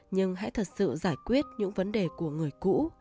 nhưng hãy thật sự giải quyết những vấn đề của người cũ